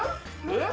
えっ？